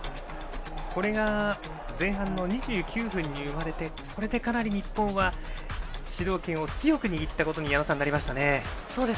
これが前半の２９分に生まれてこれでかなり日本は主導権を強く握ったことになりましたね、矢野さん。